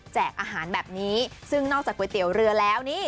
อาหารแบบนี้ซึ่งนอกจากก๋วยเตี๋ยวเรือแล้วนี่